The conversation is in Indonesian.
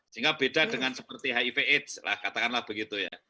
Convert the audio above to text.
sehingga beda dengan seperti hiv aids lah katakanlah begitu ya